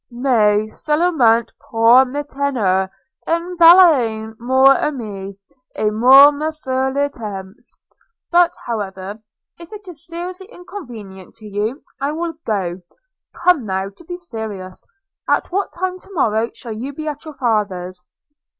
'Mais seulement pour me tenir en baleine, mon ami, et pour passer le temps – But, however, if it is seriously inconvenient to you, I will go. – Come, now, to be serious – at what time to morrow shall you be at your father's?'